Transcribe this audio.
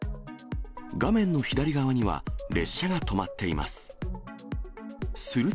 画面の左側には列車が止まっています。